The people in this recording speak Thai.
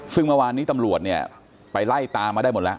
ซึ่งเมื่อวานนี้ตำรวจเนี่ยไปไล่ตามมาได้หมดแล้ว